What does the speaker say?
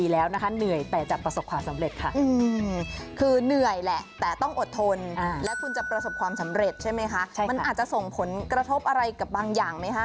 และคุณจะประสบความสำเร็จใช่ไหมคะมันอาจจะส่งผลกระทบอะไรกับบางอย่างไหมคะ